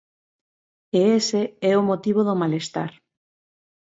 E ese é o motivo do malestar.